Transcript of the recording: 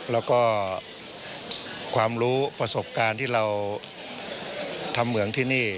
แล้วก็ความรู้ประสบการณ์ที่เราทำเหมืองที่นี่